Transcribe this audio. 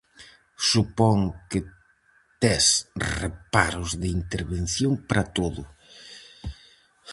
Supón que tes reparos de intervención para todo.